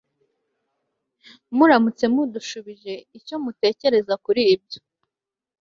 muramutse mudushubije icyo mutekereza kuri ibyo